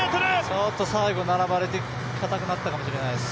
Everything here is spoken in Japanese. ちょっと最後、並ばれて固くなったかもしれないです。